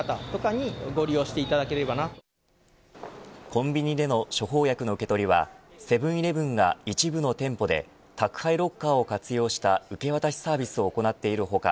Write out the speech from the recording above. コンビニでの処方薬の受け取りはセブン‐イレブンが一部の店舗で宅配ロッカーを活用した受け渡しサービスを行っている他